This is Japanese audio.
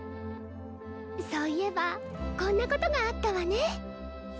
そういえばこんなことがあったわね。